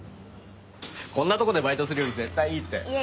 こんなとこでバイトするより絶対いいっていえ